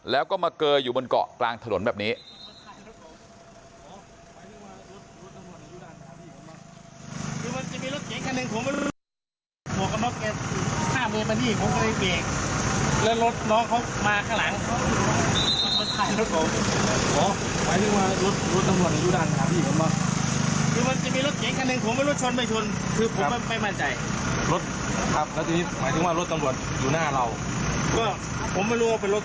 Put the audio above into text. แล้วก็มาเกยอยู่บนเกาะกลางถนนแบบนี้